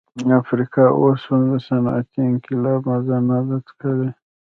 افریقا اوس هم د صنعتي انقلاب مزه نه ده څکلې.